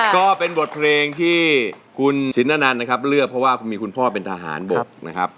ก็เป็นบทเพลงที่คุณสินอนันต์นะครับเลือกเพราะว่าคุณมีคุณพ่อเป็นทหารบกนะครับ